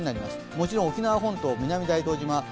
もちろん沖縄本島、南大東島